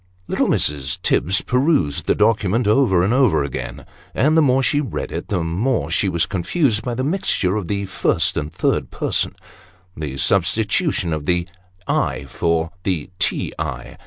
Little Mrs. Tibbs perused the document, over and over again ; and the more she read it, the more was she confused by the mixture of the first and third persons ; the substitution of the " I" for the " T. I.